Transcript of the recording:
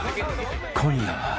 ［今夜は］